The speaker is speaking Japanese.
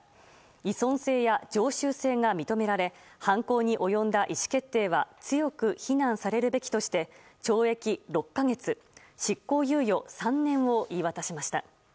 依存性や常習性が認められ犯行に及んだ意思決定は強く非難されるべきとして懲役６か月、執行猶予３年を言い渡しました。